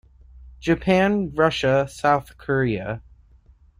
Japan, Russia, South Korea.